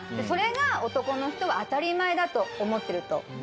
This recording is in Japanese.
それが男の人は当たり前だと思ってると。